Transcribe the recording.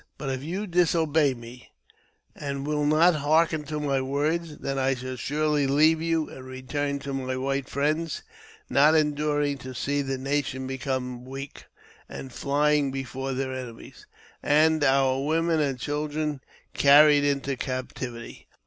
But if you \ disobey me, and will not hearken to my words, then I shall surely leave you and return to my white friends, not enduring , to see the nation become weak, and flying before their enemies, and our women and children carried into captivity.